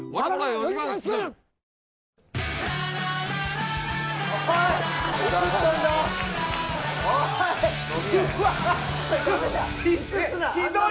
おい！